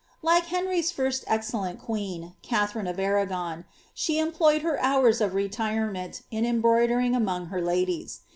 Like Henry's Urst excellent queen, Katjiarine of Arragon, ■he employe*] her hours of retirement in embroidering among her ladies.